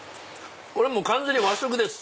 これ完全に和食です。